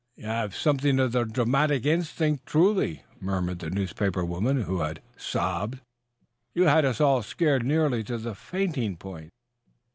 "You have something of the dramatic instinct, truly," murmured the newspaper woman who had sobbed. "You had us all scared nearly to the fainting point."